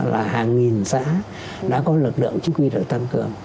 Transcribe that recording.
là hàng nghìn xã đã có lực lượng chính quyền để tăng cường